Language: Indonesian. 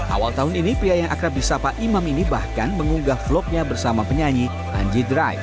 awal tahun ini pria yang akrab di sapa imam ini bahkan mengunggah vlognya bersama penyanyi panji drive